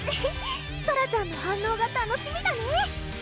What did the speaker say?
ソラちゃんの反応が楽しみだね！